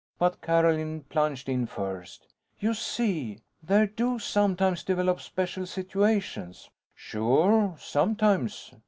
But Carolyn plunged in first: "You see, there do sometimes develop special situations." "Sure, sometimes."